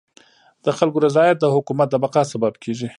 د خلکو رضایت د حکومت د بقا سبب کيږي.